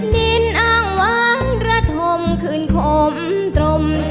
ดินอ้างว้างระธมขึ้นขมตรมเศร้า